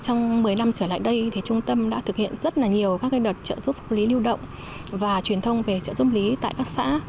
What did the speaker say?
trong một mươi năm trở lại đây trung tâm đã thực hiện rất nhiều các đợt trợ giúp pháp lý lưu động và truyền thông về trợ giúp lý tại các xã